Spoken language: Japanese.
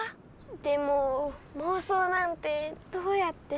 でももうそうなんてどうやって。